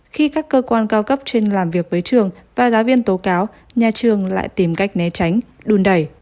khi các cơ quan cao cấp trên làm việc với trường và giáo viên tố cáo nhà trường lại tìm cách né tránh đun đẩy